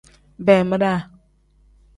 Beemiraa.